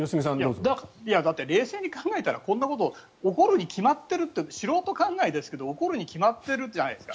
冷静に考えたらこんなこと起こるに決まっている素人考えですけど起こるに決まってるじゃないですか。